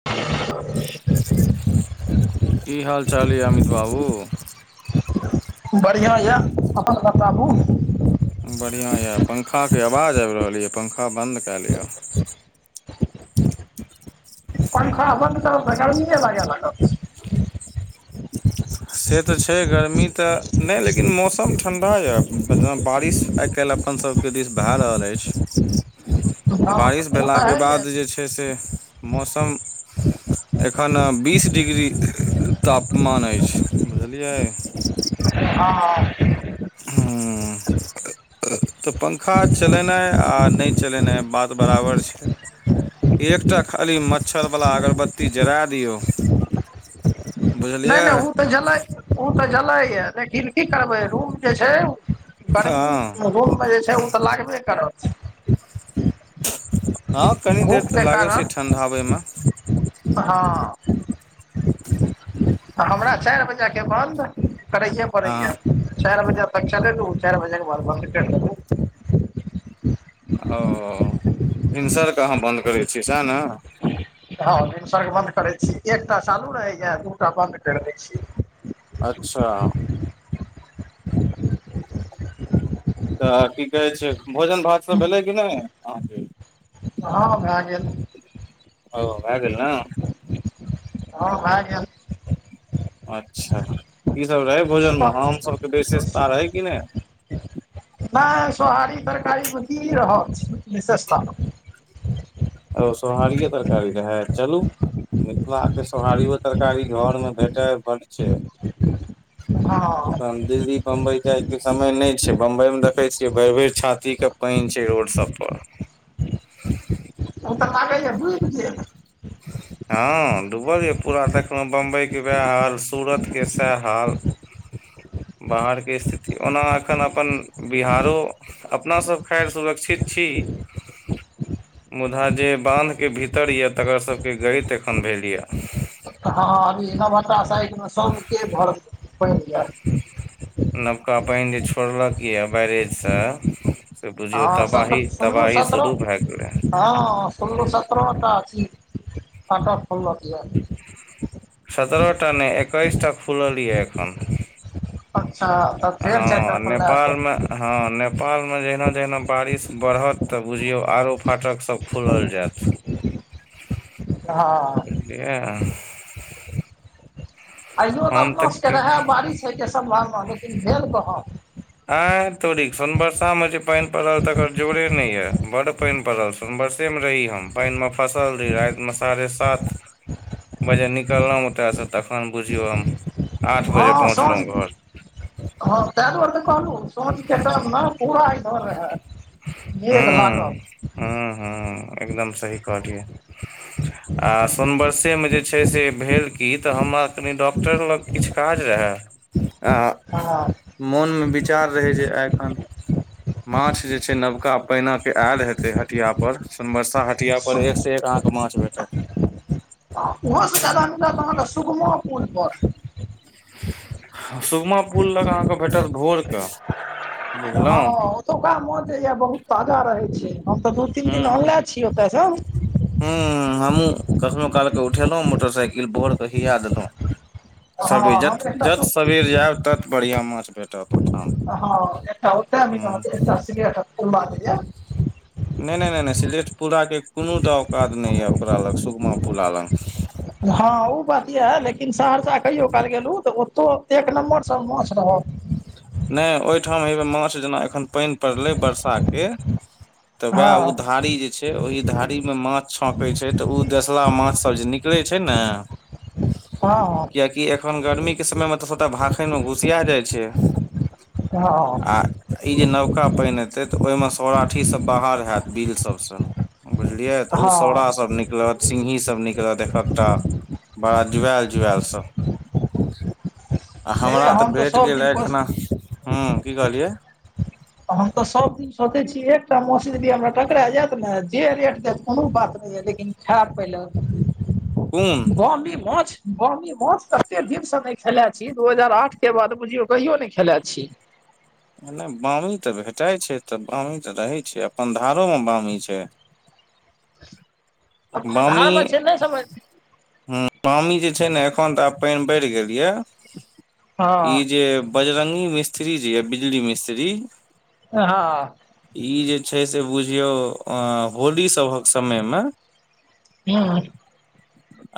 [unintelligible] कि हाल चाल यै अमित बाबू बढ़िआ यै, अपन बताबू बढ़िआ यऽ पंखाके आवाज आबि रहल यऽ पंखा बन्द कए लिआ पंखा बंद करब छै, गड़मिले लागे लागत। से तऽ छै गर्मी तऽ नहि लेकिन मौसम ठंडा या बारिश आइ काल्हि अपन सभ के दिस भए रहल अछि हँ बारिश ओ तऽ भेला के हइये बाद जे छै छै, सँ मौसम एखन बीस डिग्री ताप मान अछि बुझलियै हा हूँ। तऽ पंखा चलेनाइ आ नहि चलेनाइ बात बराबर छै एकटा खाली मच्छरवला अगरबत्ती जरा दियो नहि नहि ओ तऽ जलै ओ तऽ जलैए लेकिन कि करबै रूम जे छै गर्मी हँ रुम मे जे छै ओ तऽ लागबे करत हँ कनि देर तऽ धूपके लागै छै कारण ठण्डाबैमे हँ। हमरा चारि बजे के बन्द करैए हँ पड़ैए चारर बजे तक चले चारि बजे बार बू ओ। भिनसरके अहा बंन्द करै छीयै सएह ने हँ, भिनसर के बन्द करै छी एकटा चालू रहैए दूटा बन्द करि दै छी अच्छा तऽ की कहै छै भोजन भात सब भेलै कि नहि अहाँके हँ भै गेल ओ भए गेल ने हँ भै गेल अच्छा की सभ रहै भोजन मे आम सभके विशेषता रहै कि नहि नहि सोहारी तरकारी मे की रहत विशेषता ओ सोहारिये तरकारी रहै चलू मिथिलाके सोहारियो तरकारी घरमे भेटय बड्ड छै हँ एखन दिल्ली बम्बइ जाय के समय नहि छै बम्बइ मे देखै छियै भरि भरि छाती के पइन छै रोड सब पर ओ तऽ लागैये डुबि गेल [inaudible] हँ डूबल ये पूरा देखलौं बंबई के वएह हाल सूरत के सएह हाल बाहरके स्थिति ओना एखन अपन बिहारो अपनासभ खैर सुरक्षित छी मुदा जे बान्धके भीतर यए तेकरा सबके गरीत एखन भेल यए हँ अभी नवहट्टा साडमे सभके घरमे पानि ये नवका पानि जे छोड़लक यए बैरेज से से बुझियौ हँ सत तबाही सुनलहुँ तबाही शुरू सत्रह भए गेलै हँ सुनलू सतरह टा अथी फाटक खोलक ये सतरहटा नै एकैसटा खुलए एखन अच्छा तऽ फेर चारिटा हँ खोलला नेपाल मे हेता हँ नेपाल मे जहिना जहिना बारिश बढ़त तऽ बुझियौ आरो फाटक सब खुलल जायत हँ बझलियै आइयो तऽ हम अपना सबके की रहए बारिश होइके सम्भावना लेकिन भेल कहाँ आ तोड़ी सोनबरसा मे जे पानि पड़ल तकर जोरे नै ये बड्ड पानि पड़ल छै सोनवरसे मे रही हम पानि मे फसल रही राति मे साढ़े सात बजे निकललौं ओतय से तखन बुझियौ हम आठ बजे हँ साँझ पहुँचलौं घर हँ तेँ दुआरे तऽ कहलु सुन [unintelligible] ने पूरा कर रहै मेघ लागल हूंम्म हूंम्म एकदम सही कहलियै आ सोनबरसे मे जे छै से भेल की तऽ हमरा कनी डॉक्टर लग किछु काज रहै आ हँ मोनमे विचार रहै जे एखन माछ जे छै नवका पैना के आयल हेतै हटिया पर सोनबरसा हटिया सु पर एक से एक अहाँ माछ भेटत उहाँ सँ जादा मिलत अहाँके सुुगमा पुल पर सुगमा पुल लग अहाँके भेटत भोरके हँ ओतुका माछ जे ये बहुत ताजा रहे छै हम तऽ दू तीन दिन अनले छियै ओतसँ हू हमहूँ कखनो कालके उठेलहुँ मोटरसाइकिल भोर क हिया देलहुँ हँ सबर जत हम एकटा जत सु सबेर जायब तत बढ़िया माछ भेटत ओहिठाम हँ ह [unintelligible] नहि नहि नहि नहि सिलेठ पुरा के कोनो औकात नहि यऽ ओकरा लग सुगमा पुरा लग हँ ओ बात इएह लेकिन सहरसा कहियो काल गेलहुँ तऽ ओतौ एक नम्बरसँ माछ रहत नहि ओहिठाम हे माछ जेना एखन पाइन पड़लेय बरसा के त उएह हँ उधारि ओहि धारी मे माछ छौकै छै तऽ ओ देसला माछ सब जे निकले छै ने हँ कियकि एखन गर्मी के समय मे तऽ सभटा भाखनि मे घुसिया जाइ छै हँ आ ई जे नवका पानि एते तऽ ओहिमे सौराठी सब बाहर हत बिल सबसँ बुझलियै तऽ ओ हँ सौड़ाभ निकलत सिंघीसभ निकलत एकहकटा बड़ा जुआल जुआल सब आ हे हमरा तऽ हम भेट सभ गेल दिन अखन कोश हू की कहलियै हम तऽ सबदिन सोचै छी एकटा मसीन भी हमरा टकरा जायत ने जे रेट देत कोनो बात लेकिन खराब पहिले कोन बामी माछ बामी माछ कते दिन से नहि खेले छी दू हजार आठ के बाद बुझियौ कहियो नहि खेला छी नहि वामी तऽ भेटै छै तऽ वामी तऽ रहै छै अपन धारोमे वामी छै अपना बामी धार मे छै नहि समझ हू बामी जे छै ने एखन तऽ आब पानि बढ़ि गेल यए ई हँ जे बजरंगी मिस्त्री जेयय बिजली मिस्त्री एहाँ ई जे छै से बुझियौ अ होली सभक समय मऽ हँ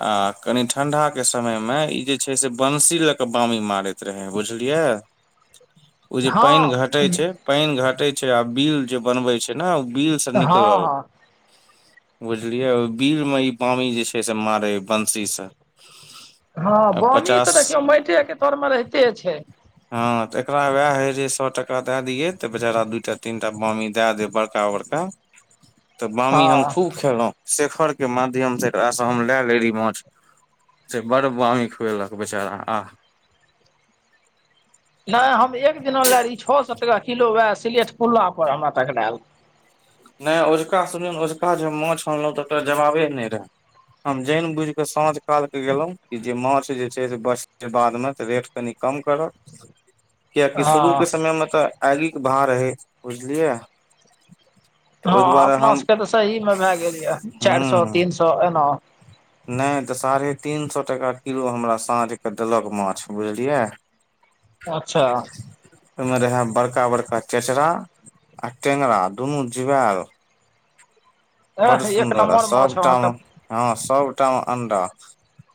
आ कनि ठंडा के समय मे ई जे छै से बंसी लय के वामी मारे रह बुझलियै ओ जे पानि हँ घटै छै पानि घटै छै आ बिल जे बनबै छै ने ओ बिल से हँ निकलल हँ बुझलियै ओय बील मऽ वामी जे छै मारै ओय बंशीसँ हँ बामी तऽ देखियौ माटे के तर मे रहिते छै हँ तऽ एकरा उएह होइ जे सए टाका दए दियै तऽ बेचारा दूटा तीन टा बामी दए दे बड़का बड़का तऽ वामी हम हँ खूब खेलहुं शेखर के माध्यम से एकरासँ हम लए ले रही माछ से बड़ बाम खुएलक बेचारा आह नहि हम एक दिना लए रही छओ सए टाका किलो वएह सिलेट पुल्ला पर हमरा टकराल नहि अजुका सुन अजुका जे माछ अनलहुँ तऽ ओरा जमाबे नहि रहय हम जन बुझ के साँझ काल के गेलों जे माछ जे छै से बचल बाद मे रेट कनि कम करत कियकि शुरू हँ के समय मे तऽ आगि के भाय रहै बुझलियै तऽ हँ ओहि दुआरे अपना हम सभके तऽ सहीमे भए गेल यए चारि सए हूँ तीन सए एना नहि तऽ साढ़े तीन सए टका किलो हमरा साँझके देलक माछ बुझलियै [inaudible] अच्छा ओ मे रहा बड़का बड़का चेचरा आ टेंगरा दुनू जूवा‌एल बड एह एक सुन्दर आ नम्बर माछ सबटा अहाँके म हँ सबटा मे अंडा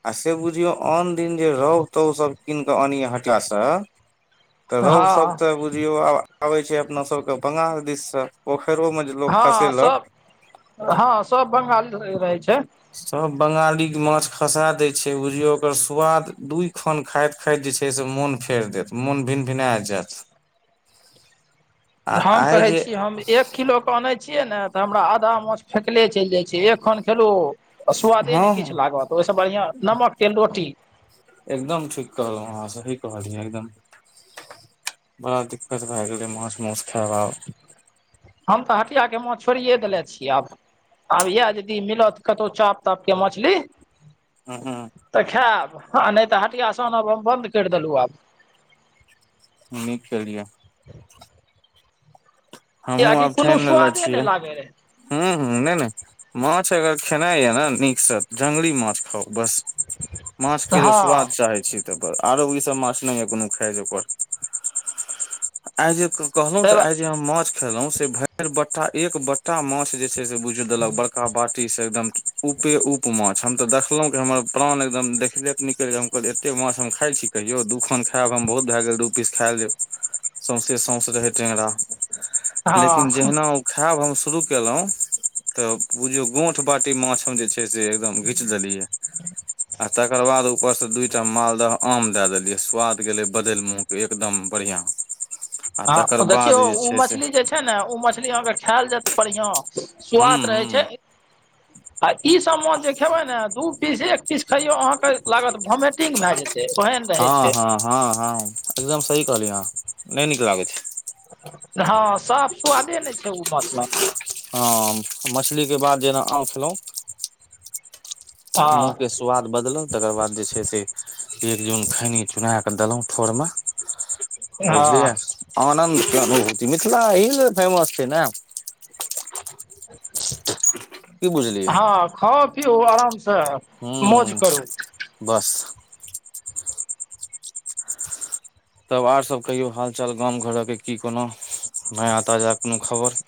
आ से बुझियौ आन दिन जे रोहु तउ सभ कीन कऽ आनि हट्टासँ तऽ हँ रोहु सभ तऽ बुझियौ आब अबय छै अपना सभके बंगाल दिस स पोखैरो में जे लोग हँ खसेलक सभ हँ सभ बंगाल ल रहै छै सभ बंगाली के माछ खसा दय छै बुझियौ ओकर स्वाद दुई खन खाइत खैर जे छै से मोन फेर देत मोन भिन भिन आ जायत। आ हम आइ कहै जे छी हम एक किलोके अनै छी छियै ने तऽ हमरा आधा माछ फेकले चलि जाइ छै एखन खेलहूँ स्वादे हँ नहि हँ किछु लागत तऽ ओहिसँ बढ़िआ नमक तेल रोटी एकदम ठीक कहलहुँ अहा सही कहलियै एकदम बड़ा दिक्कत भऽ गेलै माछ म‌उस खायब आब हम तऽ हटियाके माछ छोड़िये देने छियै आब आब इएह यदि मिलत कतहु चपतप के मछली ह, ह तऽ खायब आ नहि तऽ हटिया सँ आनब हम बंन्द करि देलहुँ आब नीक खेलिया। हमहूँ कियाकि आब कोनो ठैन लेले स्वादे नहि छियै। लागै रहै हैं हैं नहि नहि माछ अगर खेनाइ यऽ ने नीकसँ टंगरी माछ खाउ बस माछ के जे सुवाद हँ चाहै छै आरो ई सब माछ नहि य कोनो खाय ओकर आइ जे कहलहूँ तै तऽ आइ जे हम माछ खेलहूँ से भरि बट्टा एक बट्टा माछ जे छै से बूझू देल कऽ बड़का बाटी से एकदम जे उपे उप माछ हम तऽ देखलहूँ कि हमर प्राण एकदम देखले निकैल गेल हम कहल‌ऊं एते माछ हम खाय छी। कहियौ दू खन खायब हम बहुत भए गेल दू पीस खा लेब सौसे सौसे रहै टेंगरा लेकिन हँ जहिना। खायब हम शुरू केल‌ऊ त बुझिय‌उ गोठ बांटी माछ हम जे छै। जे एकदम घीच देलीये आ तकर बाद ऊपर से दूटा मालदह आम दए देलियै स्वाद गेलै बदलि मुँह के एकदम बढ़िया [inaudible] हँ देखियौ उम मछली जे छै ने उ मछली अहाँकेँ खायल जायत बढ़िया हूँ स्वाद रहय हूँ छै। आ ई सभ माछ जे खेबय ने दू पीस एक पीस खइयौ अहाँकेँ लागत भमेट भए जेतय ओहन रहै हँ छै हँ, हँ, एकदम सही कहलियै अहा नहि नीक लागैत छै हँ साफ सुआदे नहि छै माछ लग ह, मछली के बाद जेना आम खेल‌ऊं हँ मूँह के सु सुआद बदलल तकर बाद जे छै से एक जुन खैनी चुना क देलहुँं ठोर म बुझलियै हँ आनन्द प्रभू मिथिला एही सँ फेमस छै ने की बुझलियै ह, खाउ पिबू आराम स हूँ, बस तब आर सभ कहियौ हाल चाल गाम घरक की कोना नया ताजा कोनो खबर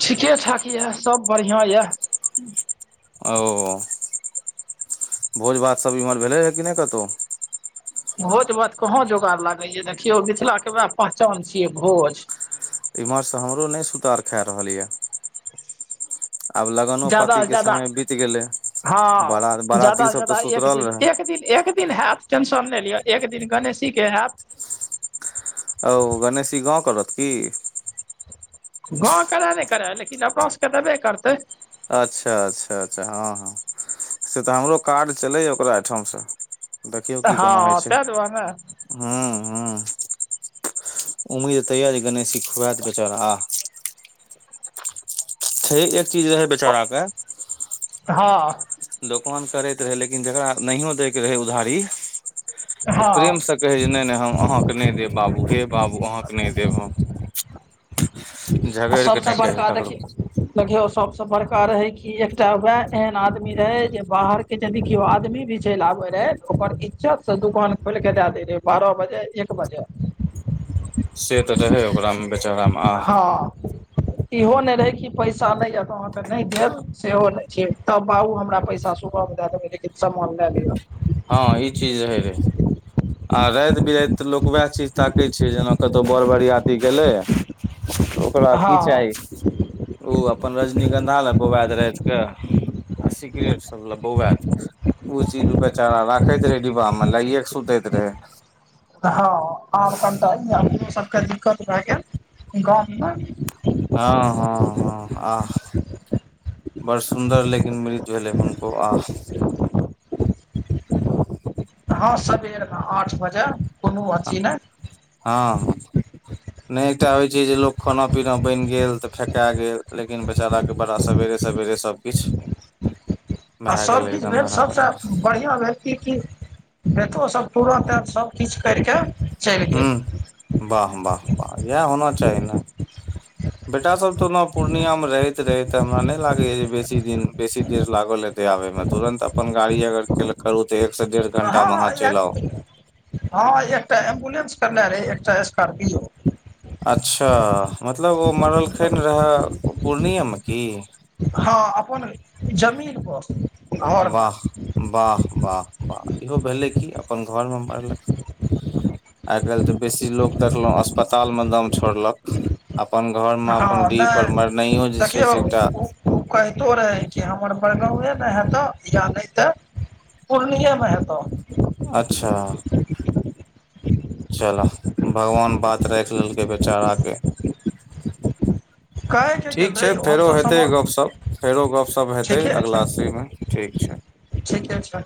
ठीके ठाक या सभ बढ़िया यए अरव बाह। भोज भात सभ इम्हर भेलैया कि नहि कत‌उहु भोज भात कहाँ जोगाड़ लागय या देखियौ मिथिला के वएह पहचान छियै भोज इम्हरसँ हमरो नै सुतार खा रहल यए ज्यादा पाती स के ज्यादा समय बीत गेले [inaudible] हँ बारा बाराती ज्यादा से सब तऽ ज्यादा एक सुतरल दिन रहे दैत एक दिन हयत टेंशन नय लिअ एक दिन गणेशी के हैत औ गणेशी गाँव करत की गाँव करै की न करै लेकिन अपना सबके देबे करतै अच्छा अच्छा अच्छा हँ हँ से तऽ हमरो काड छलैए ओकरा एहिठामसँ देखियौ की कोना होइ हँ छै ताहि दुआरे ने हु हु उम्मीद त य जे गणेशी खुआत बेचारा आ छै एक चीज रहै बेचारा के हँ दोकान करैत रहै लेकिन जकरा नहियो दैके रहै उधारी तऽ हँ प्रेमसँ कहै जे नहि नहि हम अहाँके नहि देब बाबू हे बाबू अहाँके नहि देब हम आ झगड़ि के सभसँ नहि कहै बड़का ककरो देखि देखियो सबसे बड़का रहे की एकटा वैह एहन आदमी रहे जे बाहर के देखियओ आदमी भी चल आबे रहै ओकर इज्जत से दुकान खोलिके दए दै रहै बारह बजे एक बजे से त रहे ओकरा मे बेचारा मे आह हँ [inaudible] इहो नय रहे की पैसा नाए य त आहाँ क नाए देब सेहो ने छी तब बाबू हमरा पैसा सुबह मे दै देबे लेकिन समान लै लिऔ हँ ई चीज रहै रे आ रात बिराति तऽ लोक उएह चीज ताकैत छै जेना कतौ बर बरआती गेलै [inaudible] ओकरा की हँ चाही ओ अपन रजनीगंधा लए बौआाइत राति के आ सिगरेट सब लए बौआत ओ चीज बेचारा राखैत रहै डिब्बा मे लाए क सुतैत रहै तऽ हँ आब कत ईो सबके दिक्कत भए गेल गाममे हँ हँ हँ आ बड़ सुंदर लेकिन मृत्यु भेलै हुनको आ [inaudible] हँ सबेर म आठ बजे कोनो [inaudible] अथी नहि हाँ ह नय एकटा होय छै जे लोक खाना पीना बनि गेल तऽ फेेका गेल लेकिन बेचारा बड़ा सवेरे सवेरे सब किछ आ भए सभ गेलै किछ एकदम भेल बराबरे सभसँ बढ़िआ बड़िया भेल कि कि बेटों सब तुरत अ सब किछ करिके चैल गेल हूँ वाह वाह वाह इएह होना चाही ने बेटा सब त ओना पूर्णिया में रहैत रहे त हमरा न लागे य जे बेसी दिन बेसी देर लागल है हैत आबे मे तुरन्त अपन गाड़ी अगर करू तऽ एक से डेढ़ घण्टा हँ मे अहाँ चल आउ हँ एकटा एम्बुलेंस करने रहै एकटा स्कार्पियो अच्छा मतलब ओ मरलखिन रहए पूर्णियामे की हँ अपन जमीन पर घरमे वाह वाह वाह वाह इहो भेलै कि अब अपन घरमे मरलखिन [inaudible] आए काइल तऽ बेसी लोक देखलहुँ अस्पतालमे दाम छोड़लक अपन घरमे अपन हँ डीह पर नहि मरनाइयो जे छै देखियौ से एकटा ओ ओ कहितो रहय कि हमर मर गााँवए ने हेतह या नय तऽ पूर्णिया मे हेत अच्छा चल भगवान बात राख लेलकै बेचारा के कहै के गेल ठीक छै रहियौ फेरो हमसब हेतै सम गपशप फेरो गपशप हेतै ठीके छै अगिला सी में ठीक छै ठीके छै